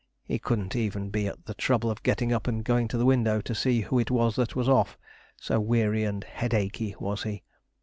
He couldn't even be at the trouble of getting up and going to the window to see who it was that was off, so weary and head achy was he.